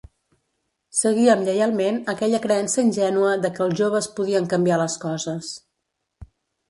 Seguíem lleialment aquella creença ingènua de que els joves podien canviar les coses.